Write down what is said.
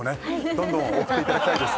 どんどん送っていただきたいです